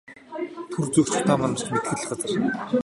Тэр зүг ч утаа манарч мэдэх л газар.